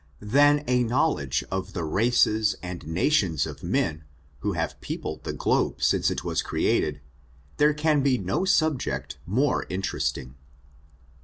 ' «^^I^^WN^^^^^^V^^^ I i I Than a kDOwledge of the races and nations of men, who have peopled the glohe since it was created, there can be no subject more interesting.